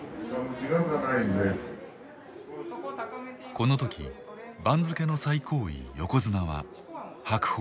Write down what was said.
この時番付の最高位横綱は白鵬